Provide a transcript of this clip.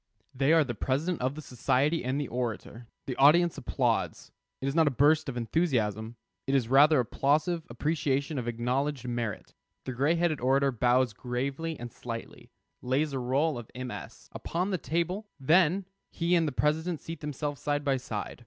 They are the president of the society and the orator. The audience applauds. It is not a burst of enthusiasm; it is rather applausive appreciation of acknowledged merit. The gray headed orator bows gravely and slightly, lays a roll of MS. upon the table, then he and the president seat themselves side by side.